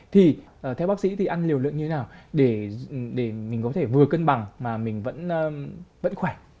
thì theo bác sĩ thì ăn liều lượng như thế nào để mình có thể vừa cân bằng mà mình vẫn khỏe